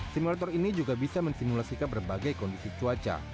simulator ini juga bisa mensimulasikan berbagai kondisi cuaca